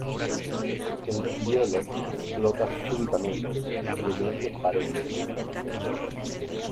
El hielo explota súbitamente y el ente parece desvanecerse.